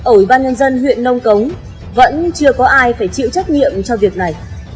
ở ủy ban nhân dân huyện nông cống vẫn chưa có ai phải chịu trách nhiệm cho việc này